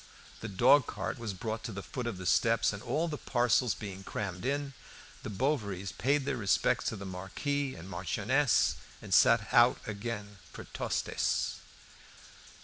The dog cart was brought to the foot of the steps, and, all the parcels being crammed in, the Bovarys paid their respects to the Marquis and Marchioness and set out again for Tostes.